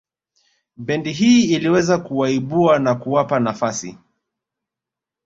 Bendi hii iliweza kuwaibua na kuwapa nafasi